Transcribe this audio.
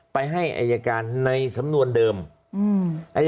ไปให้อายการในสำนวนเดิมอืม